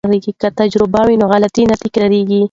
که تجربه وي نو غلطي نه تکراریږي.